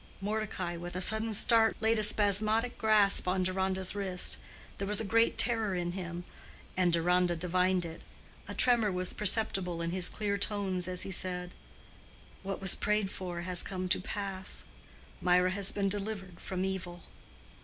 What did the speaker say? Mordecai, with a sudden start, laid a spasmodic grasp on Deronda's wrist; there was a great terror in him. And Deronda divined it. A tremor was perceptible in his clear tones as he said, "What was prayed for has come to pass: Mirah has been delivered from evil."